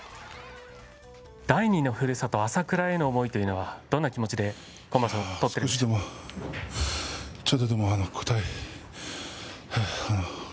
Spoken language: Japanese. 第二のふるさと朝倉への思いというのは、どんな気持ちで、今場所取ってるんでしょう。